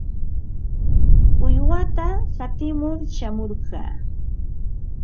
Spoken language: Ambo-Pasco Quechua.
Uywata qatimur shamurqaa.